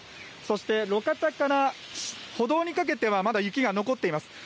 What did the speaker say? そして路肩から歩道にかけてはまだ雪が残っています。